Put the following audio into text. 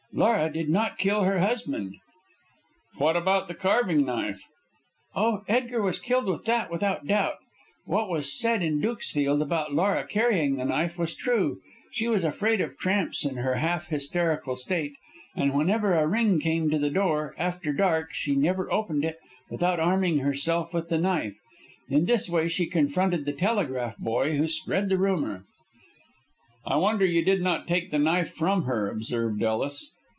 Laura did not kill her husband." "What about the carving knife?" "Oh, Edgar was killed with that, without doubt. What was said in Dukesfield about Laura carrying the knife was true. She was afraid of tramps in her half hysterical state; and whenever a ring came to the door after dark she never opened it without arming herself with the knife. In this way she confronted the telegraph boy who spread the rumour." "I wonder you did not take the knife from her," observed Ellis.